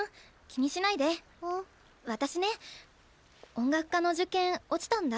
私ね音楽科の受験落ちたんだ。